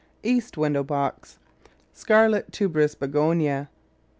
East Window box. Scarlet Tuberous Begonia.